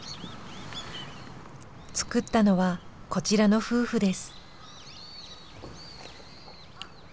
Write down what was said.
造ったのはこちらの夫婦です。